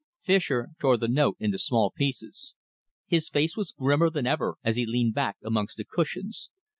Fischer tore the note into small pieces. His face was grimmer than ever as he leaned back amongst the cushions.